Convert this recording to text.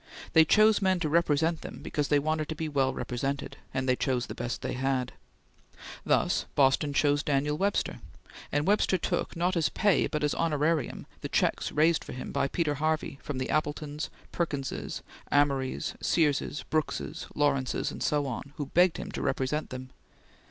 They chose men to represent them because they wanted to be well represented, and they chose the best they had. Thus Boston chose Daniel Webster, and Webster took, not as pay, but as honorarium, the cheques raised for him by Peter Harvey from the Appletons, Perkinses, Amorys, Searses, Brookses, Lawrences, and so on, who begged him to represent them.